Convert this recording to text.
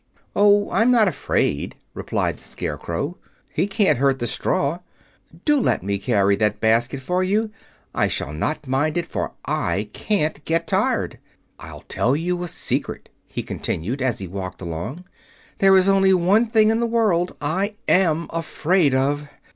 "Oh, I'm not afraid," replied the Scarecrow. "He can't hurt the straw. Do let me carry that basket for you. I shall not mind it, for I can't get tired. I'll tell you a secret," he continued, as he walked along. "There is only one thing in the world I am afraid of."